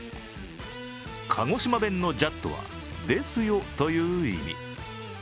鹿児島弁の「じゃっど」は「ですよ」という意味。